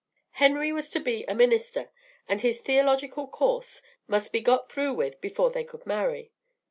Henry was to be a minister, and his theological course must be got through with before they could marry.